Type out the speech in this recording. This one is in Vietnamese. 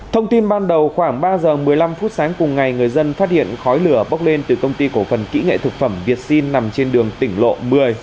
thông tin ban đầu khoảng ba giờ một mươi năm phút sáng cùng ngày người dân phát hiện khói lửa bốc lên từ công ty cổ phần kỹ nghệ thực phẩm việt sinh nằm trên đường tỉnh lộ một mươi